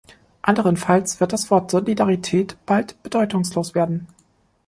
Anderenfalls wird das Wort "Solidarität" bald bedeutungslos werden.